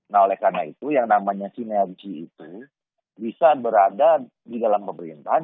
nah oleh karena itu yang namanya sinergi itu bisa berada di dalam pemerintahan